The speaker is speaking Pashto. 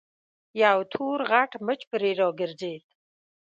يو تور غټ مچ پرې راګرځېد.